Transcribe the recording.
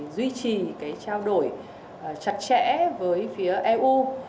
duy trì trao đổi chặt chẽ với phía eu